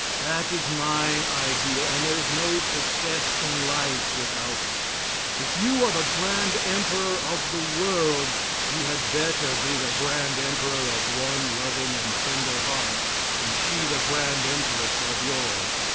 That is my idea, and there is no success in life without it. If you are the grand emperor of the world, you had better be the grand emperor of one loving and tender heart, and she the grand empress of yours.